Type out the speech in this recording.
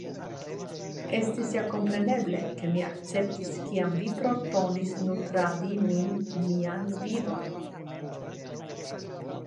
Estis ja kompreneble, ke mi akceptis kiam vi proponis nutradi min mian vivon.